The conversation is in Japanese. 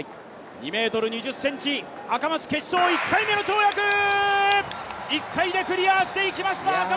２ｍ２０ｃｍ、赤松決勝１回目の跳躍、１回目でクリアしていきました。